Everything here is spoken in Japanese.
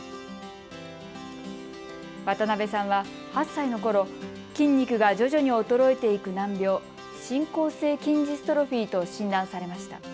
渡部さんは８歳のころ、筋肉が徐々に衰えていく難病、進行性筋ジストロフィーと診断されました。